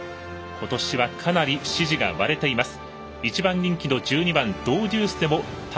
ことしはかなり支持が割れています。